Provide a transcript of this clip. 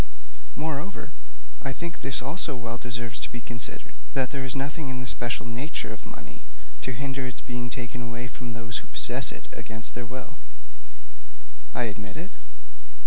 Moreover, I think this also well deserves to be considered that there is nothing in the special nature of money to hinder its being taken away from those who possess it against their will.' 'I admit it.'